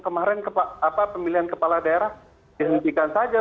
kemarin pemilihan kepala daerah dihentikan saja